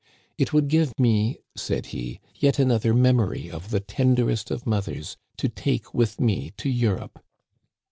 " It would give me," said he, " yet another memory of the tenderest of mothers to take with me to Europe.'